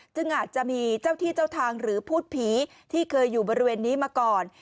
อาจจะมีเจ้าที่เจ้าทางหรือพูดผีที่เคยอยู่บริเวณนี้มาก่อน